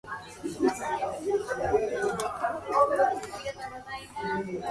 He was said to have been able to read in seventeen languages.